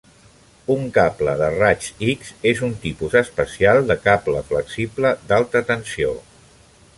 Un cable de raigs X és un tipus especial de cable flexible d'alta tensió.